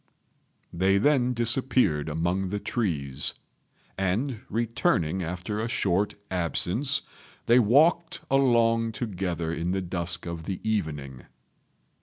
They then disappeared among the trees; and, returning after a short absence, they walked along together in the dusk of the evening.